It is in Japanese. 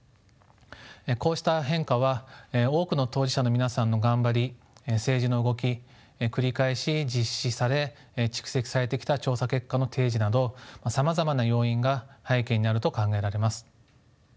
こうした変化は多くの当事者の皆さんの頑張り政治の動き繰り返し実施され蓄積されてきた調査結果の提示などさまざまな要因が背景にあると考えられます。